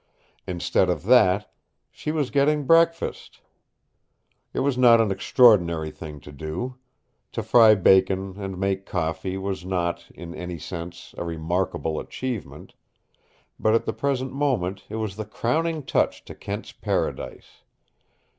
Instead of that, she was getting breakfast. It was not an extraordinary thing to do. To fry bacon and make coffee was not, in any sense, a remarkable achievement. But at the present moment it was the crowning touch to Kent's paradise.